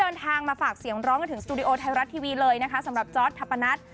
ยังร้องกันถึงสตูดิโอไทยรัฐทีวีเลยนะคะสำหรับทับปะนัด